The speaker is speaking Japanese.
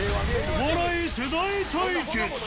笑い世代対決。